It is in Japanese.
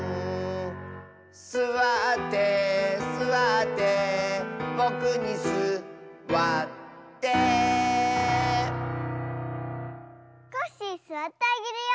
「すわってすわってぼくにす・わっ・て！」コッシーすわってあげるよ。